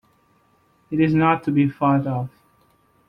It is not to be thought of.